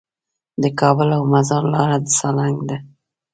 د کابل او مزار لاره د سالنګ ده